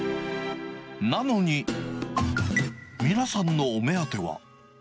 なのに、皆さんのお目当ては。